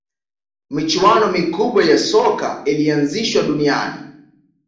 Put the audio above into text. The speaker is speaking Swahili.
michuano mikubwa ya soka ilianzishwa duniani